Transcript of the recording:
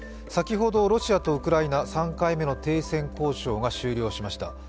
先ほどロシアとウクライナ、３回目の停戦交渉が終了しました。